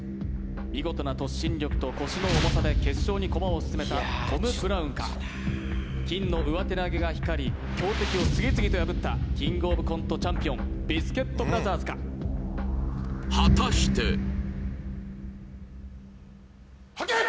見事な突進力と腰の重さで決勝に駒を進めたトム・ブラウンかきんの上手投げが光り強敵を次々と破ったキングオブコントチャンピオンビスケットブラザーズか果たしてはっけよい！